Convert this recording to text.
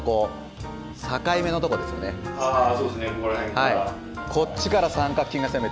はい。